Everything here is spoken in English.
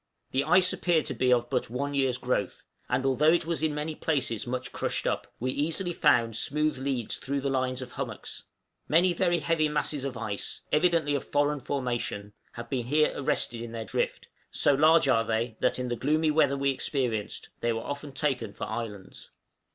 The ice appeared to be of but one year's growth; and although it was in many places much crushed up, we easily found smooth leads through the lines of hummocks; many very heavy masses of ice, evidently of foreign formation, have been here arrested in their drift: so large are they that, in the gloomy weather we experienced, they were often taken for islands."